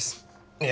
いや